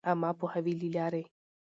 د عــامه پـوهــاوي لـه لارې٫